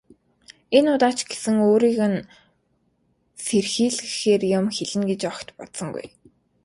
Энэ удаа ч гэсэн өөрийг нь сэрхийлгэхээр юм хэлнэ гэж огт бодсонгүй.